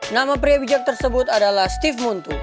nama pria bijak tersebut adalah steve muntu